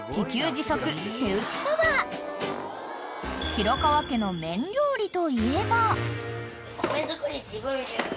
［廣川家の麺料理といえば］